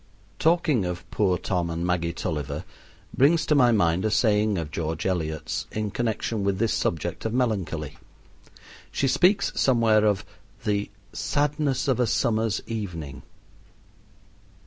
Talking of poor Tom and Maggie Tulliver brings to my mind a saying of George Eliot's in connection with this subject of melancholy. She speaks somewhere of the "sadness of a summer's evening."